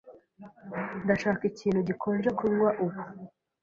Ndashaka ikintu gikonje kunywa ubu.